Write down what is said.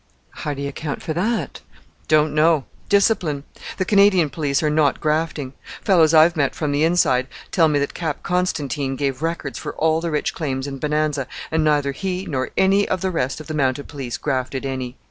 "How do you account for that?" "Don't know: discipline! The Canadian police are not grafting. Fellows I've met from the inside tell me that Cap Constantine gave records for all the rich claims in Bonanza, and neither he nor any of the rest of the Mounted Police grafted any.